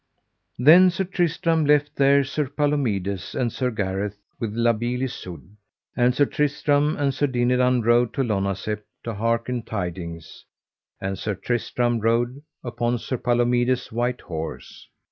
Then Sir Tristram left there Sir Palomides and Sir Gareth with La Beale Isoud, and Sir Tristram and Sir Dinadan rode to Lonazep to hearken tidings; and Sir Tristram rode upon Sir Palomides' white horse.